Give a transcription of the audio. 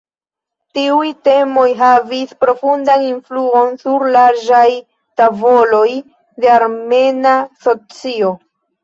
Tiuj temoj havis profundan influon sur larĝaj tavoloj de armena socio.